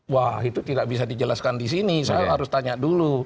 wah itu tidak bisa dijelaskan di sini saya harus tanya dulu